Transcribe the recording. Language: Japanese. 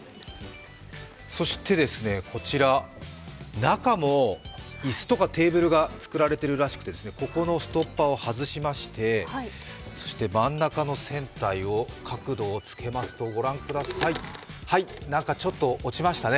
そして、こちら、中も椅子とかテーブルが作られてるらしくてここのストッパーを外しまして、そして真ん中の船体の角度をつけますと、はい、何かちょっと落ちましたね。